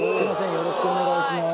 よろしくお願いします